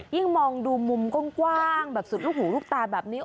ยิ่งมองดูมุมกว้างแบบสุดลูกหูลูกตาแบบนี้